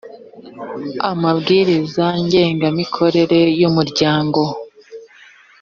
amabwiriza ngengamikorere y’ umuryango